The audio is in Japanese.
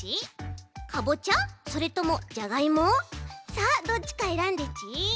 さあどっちかえらんでち。